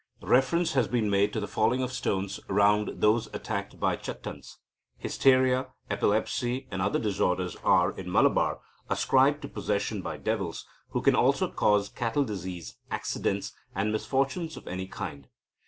Reference has been made (p. 238) to the falling of stones round those attacked by Chattans. Hysteria, epilepsy, and other disorders, are, in Malabar, ascribed to possession by devils, who can also cause cattle disease, accidents, and misfortunes of any kind.